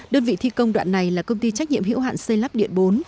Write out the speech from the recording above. đơn vị thi công đoạn này là công ty trách nhiệm hiểu hạn xây lắp điện bốn